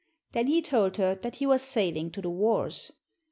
Then he told her that he was sailing to the wars.